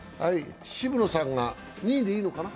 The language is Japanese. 渋野さんが２位でいいのかな。